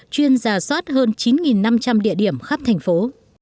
chuyên giả soát hơn chín năm trăm linh địa điểm khắp thành phố